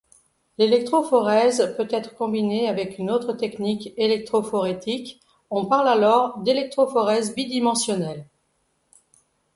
L'électrophorèse peut être combinée avec une autre technique électrophorétique, on parle alors d'électrophorèse bidimensionnelle.